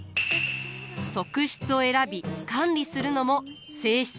側室を選び管理するのも正室の役目。